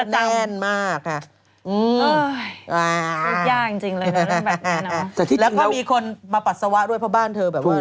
แล้วก็มีคนมาปัดสวะด้วยเพราะบ้านเธอเร็วกว้าง